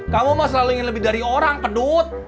kamu mah selalu ingin lebih dari orang pedut